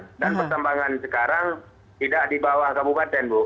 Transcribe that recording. dan pertambangan sekarang tidak di bawah kabupaten bu